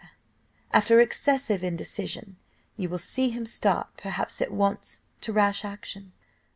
After excessive indecision, you will see him start perhaps at once to rash action."